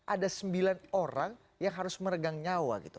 ada sembilan orang yang harus meregang nyawa gitu